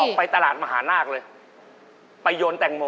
ผมบอกไปตลาดมหานาคไปโยนแต่งโม